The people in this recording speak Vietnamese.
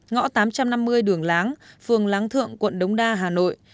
ngõ tám trăm năm mươi đường láng phường láng thượng quận đống đa hà nội